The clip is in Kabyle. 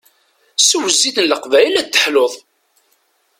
Sew zzit n leqbayel ad teḥluḍ!